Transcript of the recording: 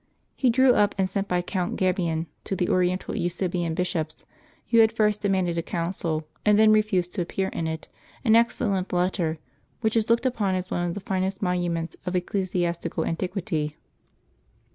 He drew up and sent by Count Gabian to the Oriental Eusebian bishops, who had first demanded a council and then refused to appear in it, an excellent letter, which is looked upon as one of the finest monu ments of ecclesiastical antiquity.